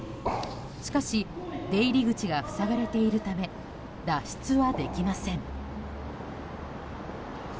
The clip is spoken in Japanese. しかし出入り口が塞がれているため脱出はできません。